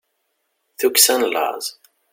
tukksa n laẓ